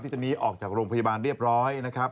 ตอนนี้ออกจากโรงพยาบาลเรียบร้อยนะครับ